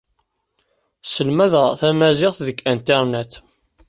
Sselmadeɣ tamaziɣt deg Internet.